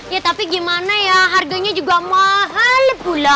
ya tapi gimana ya harganya juga mahal gula